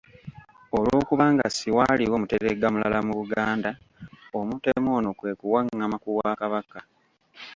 Olwokubanga siwaaliwo muteregga mulala mu Buganda, omutemu ono kwe kuwangama ku Bwakabaka.